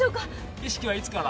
意識はいつから？